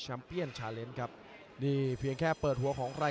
จังหวาดึงซ้ายตายังดีอยู่ครับเพชรมงคล